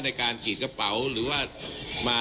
ที่สนชนะสงครามเปิดเพิ่ม